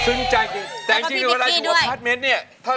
สึนใจแต่ยังที่ตำเนียตัวอพาร์ทเม้นถึงเนี่ยถ้าอาจจริงแล้วพี่ปิ๊กปี้ด้วย